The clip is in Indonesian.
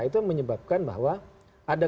itu menyebabkan bahwa ada